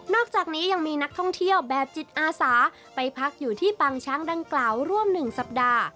อกจากนี้ยังมีนักท่องเที่ยวแบบจิตอาสาไปพักอยู่ที่ปางช้างดังกล่าวร่วม๑สัปดาห์